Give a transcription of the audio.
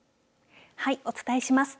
お伝えします。